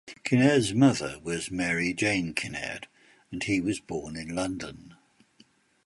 Kinnaird's mother was Mary Jane Kinnaird and he was born in London.